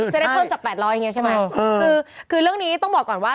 จะได้เพิ่มจาก๘๐๐ใช่ไหมคือเรื่องนี้ต้องบอกก่อนว่า